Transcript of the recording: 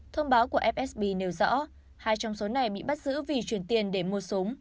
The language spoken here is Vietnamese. thông báo của fsb nêu rõ hai trong số này bị bắt giữ vì chuyển tiền để mua súng